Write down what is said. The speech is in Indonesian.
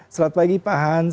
selamat pagi pak hans